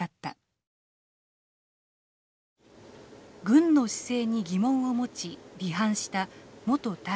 軍の姿勢に疑問を持ち離反した元大尉。